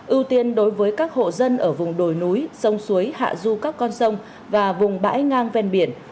ưu tiên đối với các hộ dân ở vùng đồi núi sông suối hạ du các con sông và vùng bãi ngang ven biển